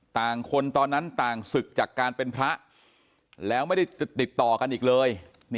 คนตอนนั้นต่างศึกจากการเป็นพระแล้วไม่ได้ติดต่อกันอีกเลย